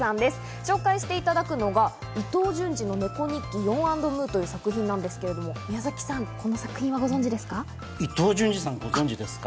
紹介していただくのは『伊藤潤二の猫日記よん＆むー』という作品なんですけども、宮崎さん、この作品はご存知ですか？